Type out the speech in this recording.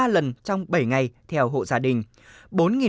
lần trong bảy ngày theo hộ gia đình